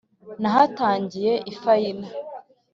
Nahatangiye ifayina